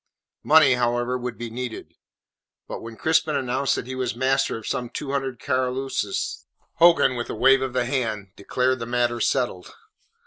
Money, however, would be needed. But when Crispin announced that he was master of some two hundred Caroluses, Hogan, with a wave of the hand, declared the matter settled.